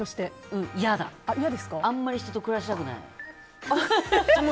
あんまり人と暮らしたくない。